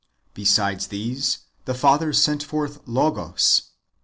Besides these, the Father sent forth Logos.